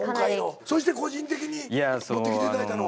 そして個人的に持ってきていただいたのは？